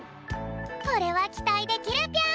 これはきたいできるぴょん。